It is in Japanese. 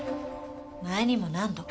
前にも何度か。